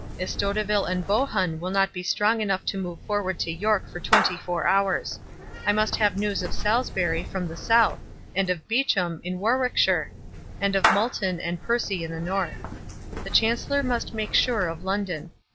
Estoteville and Bohun will not be strong enough to move forward to York for twenty four hours. I must have news of Salisbury from the south; and of Beauchamp, in Warwickshire; and of Multon and Percy in the north. The Chancellor must make sure of London.